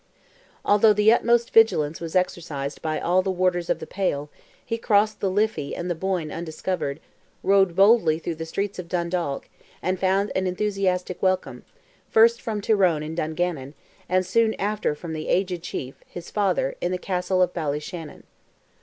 Although the utmost vigilance was exercised by all the warders of the Pale, he crossed the Liffey and the Boyne undiscovered, rode boldly through the streets of Dundalk, and found an enthusiastic welcome, first from Tyrone in Dungannon, and soon after from the aged chief, his father, in the Castle of Ballyshannon.